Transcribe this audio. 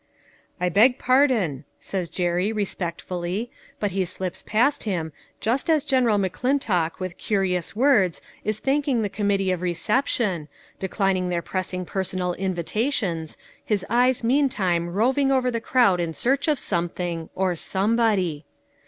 "I beg pardon," says Jerry respectfully, but he slips past him, just as General McClin tock with courteous words is thanking the com mittee of reception, declining their pressing per sonal invitations, his eyes meantime roving over the crowd in search of something or somebody.